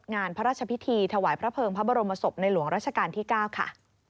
งานพระราชพิธีถวายพระเภิงพระบรมศพในหลวงราชการที่๙ค่ะ